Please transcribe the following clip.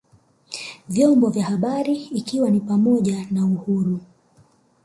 vyombo vya habari ikiwa ni pamoja na uhuru